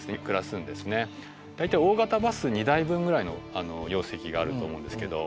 大体大型バス２台分ぐらいの容積があると思うんですけど。